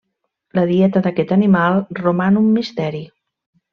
La dieta d'aquest animal roman un misteri.